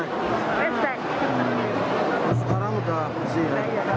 iya sudah bersih